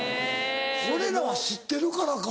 俺らは知ってるからか。